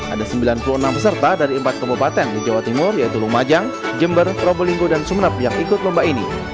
ada sembilan puluh enam peserta dari empat kabupaten di jawa timur yaitu lumajang jember probolinggo dan sumeneb yang ikut lomba ini